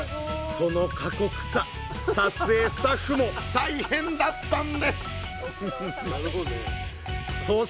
その過酷さ撮影スタッフも大変だったんですご苦労さまです。